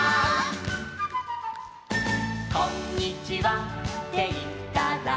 「『こんにちは』っていったら」